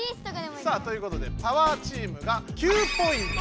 さあということでパワーチームが９ポイント。